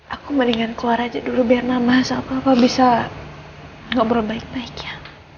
aku mendingan keluar aja dulu biar nama asal papa bisa ngobrol baik baik ya